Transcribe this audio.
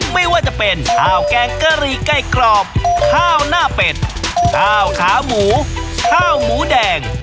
ไม่ว่าจะเป็นข้าวแกงกะหรี่ไก่กรอบข้าวหน้าเป็ดข้าวขาหมูข้าวหมูแดง